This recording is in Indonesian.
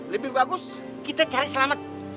lebih bagus kita cari selamat